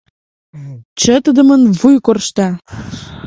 Чытыдымын вуй коршта!